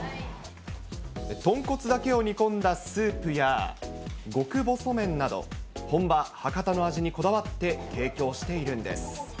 豚骨だけを煮込んだスープや極細麺など、本場、博多の味にこだわって提供しているんです。